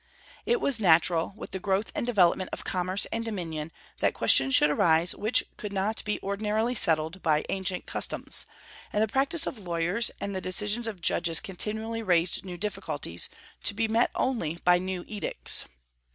It was natural, with the growth and development of commerce and dominion, that questions should arise which could not be ordinarily settled by ancient customs, and the practice of lawyers and the decisions of judges continually raised new difficulties, to be met only by new edicts.